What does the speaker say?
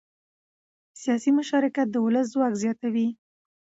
سیاسي مشارکت د ولس ځواک زیاتوي